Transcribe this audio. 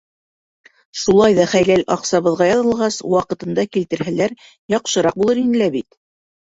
Шулай ҙа хәләл аҡсабыҙға яҙылғас, ваҡытында килтерһәләр, яҡшыраҡ булыр ине лә бит.